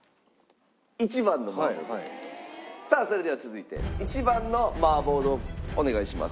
さあそれでは続いて１番の麻婆豆腐お願いします。